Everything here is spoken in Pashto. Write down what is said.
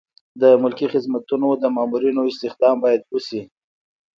د ملکي خدمتونو د مامورینو استخدام باید وشي.